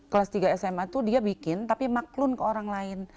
kelas tiga sma itu dia bikin tapi maklun ke orang lain